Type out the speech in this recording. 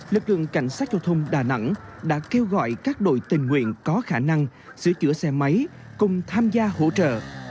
lực lượng cảnh sát giao thông đà nẵng đã kêu gọi các đội tình nguyện có khả năng sửa chữa xe máy cùng tham gia hỗ trợ